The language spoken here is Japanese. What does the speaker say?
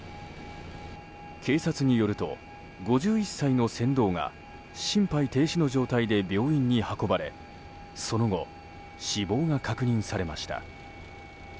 警察によると、５１歳の船頭が心肺停止の状態で病院に運ばれその後、死亡が確認されました。